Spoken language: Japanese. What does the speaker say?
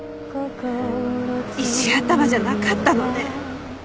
石頭じゃなかったのね。